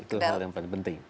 itu hal yang penting